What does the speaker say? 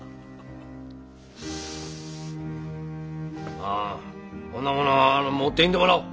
ああこんなものは持っていんでもらおう。